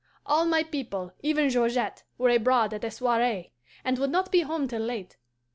All my people, even Georgette, were abroad at a soiree, and would not be home till late.